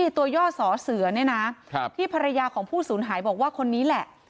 ตัวย่อสอเสือเนี่ยนะที่ภรรยาของผู้สูญหายบอกว่าคนนี้แหละ